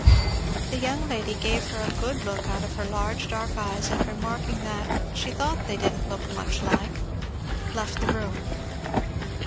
The young lady gave her a good look out of her large dark eyes, and remarking that "she thought they didn't look much like," left the room.